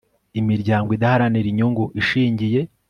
imiryango idaharanira inyungu ishingiye